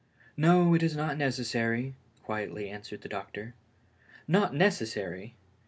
"No, it is not necessary," quietly answered the doctor. Not necessary!